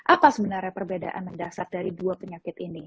apa sebenarnya perbedaan dasar dari dua penyakit ini